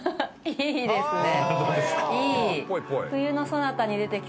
いいですね。